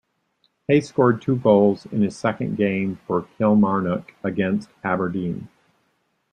Hay scored two goals in his second game for Kilmarnock against Aberdeen.